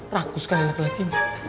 raku sekali lagi